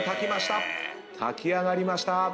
炊き上がりました。